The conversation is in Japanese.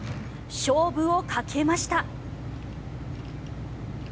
勝負をかけました。